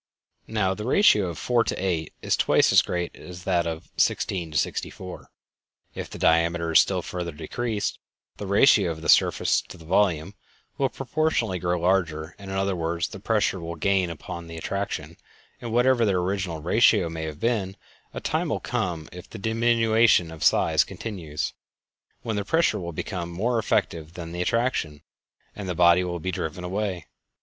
Now, the ratio of 4 to 8 is twice as great as that of 16 to 64. If the diameter is still further decreased, the ratio of the surface to the volume will proportionally grow larger; in other words, the pressure will gain upon the attraction, and whatever their original ratio may have been, a time will come, if the diminution of size continues, when the pressure will become more effective than the attraction, and the body will be driven away.